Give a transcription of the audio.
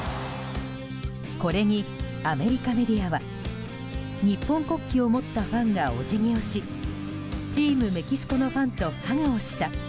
これにアメリカメディアは日本国旗を持ったファンがお辞儀をし、チームメキシコのファンとハグをした。